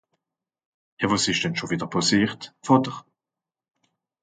Ja, wàs ìsch denn schùn wìdder pàssiert, Vàter ?